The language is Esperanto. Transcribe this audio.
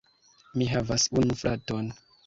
Mi havas unu fraton.